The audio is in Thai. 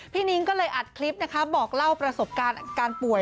นิ้งก็เลยอัดคลิปนะคะบอกเล่าประสบการณ์อาการป่วย